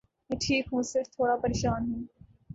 میں ٹھیک ہوں، صرف تھوڑا پریشان ہوں۔